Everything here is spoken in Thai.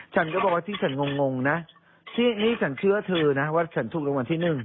ฉันก็บอกว่าที่ฉันงงนะนี่ฉันเชื่อเธอนะว่าฉันถูกรางวัลที่หนึ่ง